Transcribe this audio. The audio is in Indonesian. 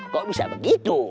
kok bisa begitu